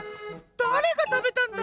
だれがたべたんだ？